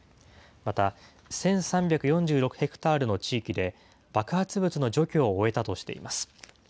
また、１３４６ヘクタールの地域で、爆発物の除去を終えたとしています。